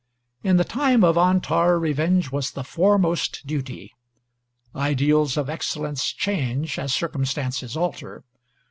In the time of Antar revenge was the foremost duty. Ideals of excellence change as circumstances alter.